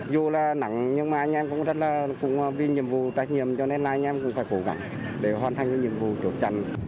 dù là nắng nhưng mà anh em cũng rất là cũng vì nhiệm vụ trách nhiệm cho nên là anh em cũng phải cố gắng để hoàn thành cái nhiệm vụ chốt chặn